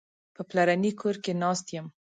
په پلرني کور کې ناست یم.